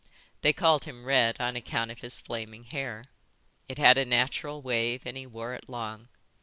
They called him Red on account of his flaming hair. It had a natural wave and he wore it long.